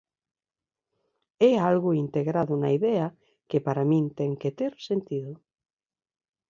É algo integrado na idea que para min ten que ter sentido.